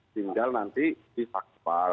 sehingga nanti dipakpal